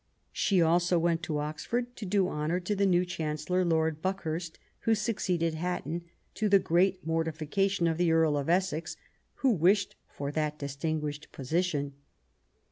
She also went to Oxford to do honour to the new Chancellor, Lord Buckhurst, who succeeded Hatton, to the great mortification of the Earl of Essex, who wished for that distinguished position.